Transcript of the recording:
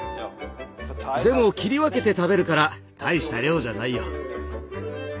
でも切り分けて食べるから大した量じゃないよ。